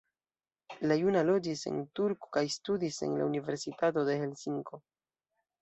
Li juna loĝis en Turku kaj studis en la Universitato de Helsinko.